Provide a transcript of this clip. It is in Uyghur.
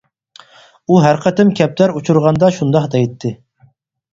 ئۇ ھەر قېتىم كەپتەر ئۇچۇرغاندا شۇنداق دەيتتى.